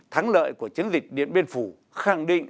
thắng lợi của chiến dịch điện biên phủ khẳng định